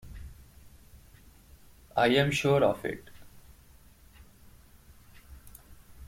I am sure of it.